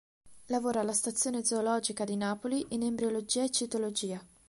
Lavora alla Stazione zoologica di Napoli in embriologia e citologia.